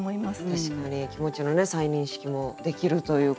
確かに気持ちの再認識もできるということで。